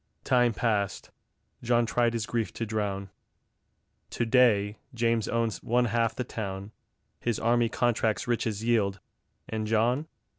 Time passed. John tried his grief to drown; To day James owns one half the town; His army contracts riches yield; And John?